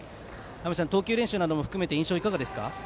青山さん、投球練習などを含めて印象はいかがですか？